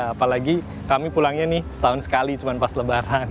apalagi kami pulangnya nih setahun sekali cuma pas lebaran